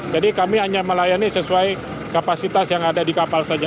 jadi kami hanya melayani sesuai kapasitas yang ada di kapal saja